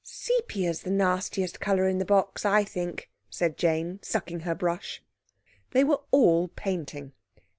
"Sepia's the nastiest colour in the box, I think," said Jane, sucking her brush. They were all painting.